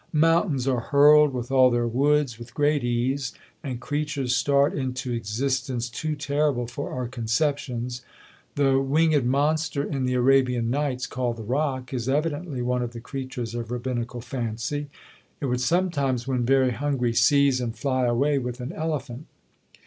Mountains are hurled, with all their woods, with great ease, and creatures start into existence too terrible for our conceptions. The winged monster in the "Arabian Nights," called the Roc, is evidently one of the creatures of rabbinical fancy; it would sometimes, when very hungry, seize and fly away with an elephant.